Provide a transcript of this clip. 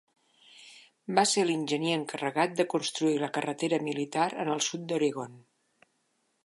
Va ser l'enginyer encarregat de construir la carretera militar en el sud d'Oregon.